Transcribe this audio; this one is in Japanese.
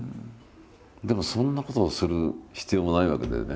でもそんなことをする必要もないわけだよね。